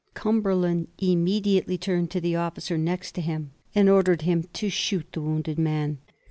Cumberland immediately turned to the officer neit to him, and ordered him to shoot the wounded man.